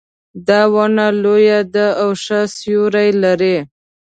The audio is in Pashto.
دا ونه لویه ده او ښه سیوري لري